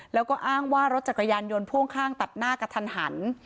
แล้วก็อ้างว่ารถจักรยานยนต์พ่วงข้างตัดหน้ากระทันหัน